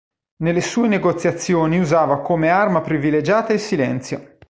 Nelle sue negoziazioni usava come arma privilegiata il silenzio.